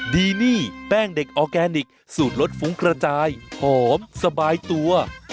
ดีนี่แป้งเด็กออร์แกนิคสูตรรสฟุ้งกระจายหอมสบายตัว